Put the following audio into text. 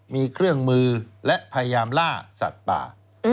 มีเครื่องมือและพยายามล่าสัตว์ป่า